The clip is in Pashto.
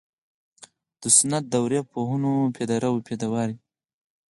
د سنت دورې پوهنو پیداوار دي.